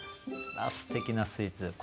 あらすてきなスイーツ。